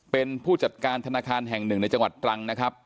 เป็นผู้จัดการธนาคารแห่งหนึ่งในจังหวัดตรังนะครับ